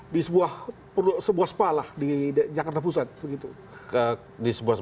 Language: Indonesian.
di sebuah spa lah di jakarta pusat